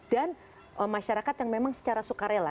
dan masyarakat yang memang secara sukarela